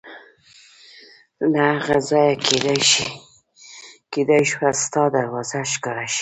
له هغه ځایه کېدای شوه ستا دروازه ښکاره شي.